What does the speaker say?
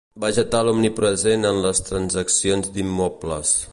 Vegetal omnipresent en les transaccions d'immobles.